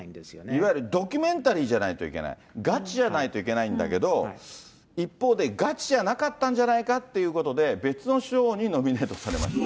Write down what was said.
いわゆるドキュメンタリーじゃないといけない、ガチじゃないといけないんだけど、一方で、ガチじゃなかったんじゃないかということで、別の賞にノミネートされました。